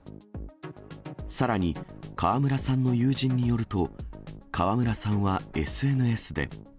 さらに川村さんの友人によると、川村さんはＳＮＳで。